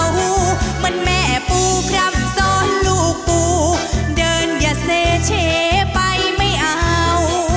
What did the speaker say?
เหมือนแม่ปูครับสอนลูกปูเดินอย่าเซเชไปไม่เอา